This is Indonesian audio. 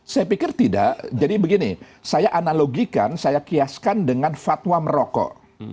saya pikir tidak jadi begini saya analogikan saya kiaskan dengan fatwa merokok